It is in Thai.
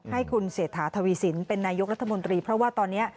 ให้คุณเศรษฐาทวีสินเป็นนายกรัฐมนตรีเพราะว่าตอนนี้